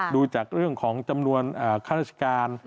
ดูจากเรื่องของจำนวนค่าราชการ